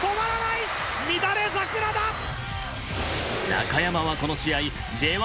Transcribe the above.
中山はこの試合Ｊ１